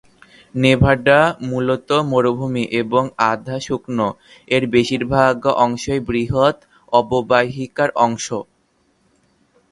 Nevada মূলত মরুভূমি এবং আধা-শুকনো, এর বেশিরভাগ অংশই বৃহৎ অববাহিকার অংশ।